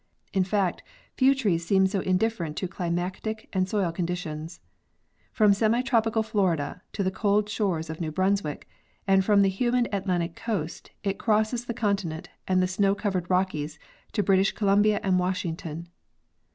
In fact, few trees seem so indifferent to climatic and soil conditions. From semi tropical Florida to the cold shores of New Brunswick, and from the humid Atlantic coast it crosses the continent and the snow covered Rockies to British Columbia and Washington.